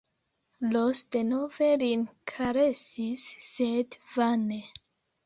Ros denove lin karesis, sed vane.